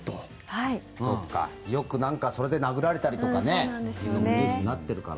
よくそれで殴られたりとかニュースになってるから。